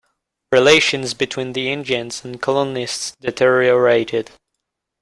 Relations between the Indians and colonists deteriorated.